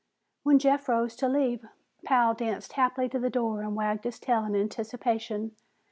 When Jeff rose to leave, Pal danced happily to the door and wagged his tail in anticipation.